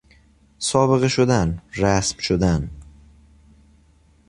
سابقه شدن، رسم شدن